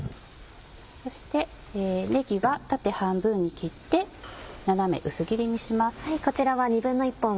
そしてねぎは縦半分に切って斜め薄切りにします。